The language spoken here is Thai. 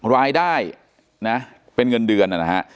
รายได้นะเป็นเงินเดือนนะฮะ